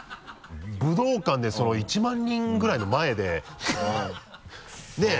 武道館で１万人ぐらいの前で ねぇ？